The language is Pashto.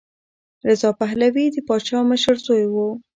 رضا پهلوي د پادشاه مشر زوی و.